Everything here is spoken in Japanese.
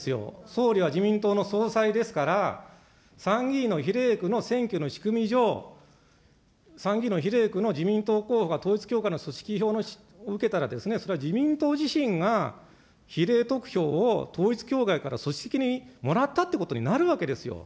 総理は自民党の総裁ですから、参議院の比例区の選挙の仕組み上、参議院の比例区の自民党候補が統一教会の組織票を受けたら、それは自民党自身が比例得票を統一教会から組織的にもらったということになるわけですよ。